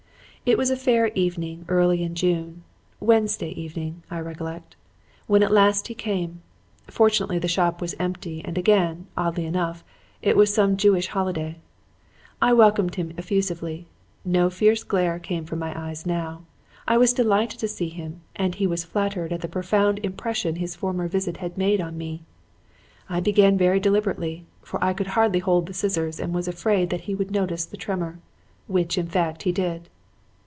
"It was a fair evening early in June Wednesday evening, I recollect when at last he came. Fortunately the shop was empty, and again, oddly enough, it was some Jewish holiday. "I welcomed him effusively. No fierce glare came from my eyes now. I was delighted to see him and he was flattered at the profound impression his former visit had made on me. I began very deliberately, for I could hardly hold the scissors and was afraid that he would notice the tremor; which, in fact, he did.